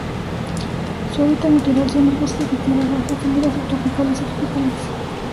Su hábitat natural son los bosques de tierras bajas húmedas subtropicales o tropicales.